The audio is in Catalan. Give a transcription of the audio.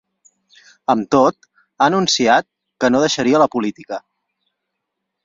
Amb tot, ha anunciat que no deixaria la política.